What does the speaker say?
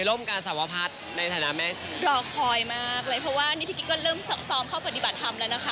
รอคอยมากเลยเพราะว่านี่พี่กิ๊กก็เริ่มซ้อมเข้าปฏิบัติธรรมแล้วนะคะ